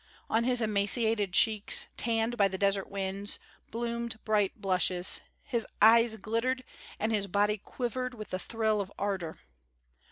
On his emaciated cheeks, tanned by the desert winds, bloomed bright blushes, his eyes glittered, and his body quivered with the thrill of ardor.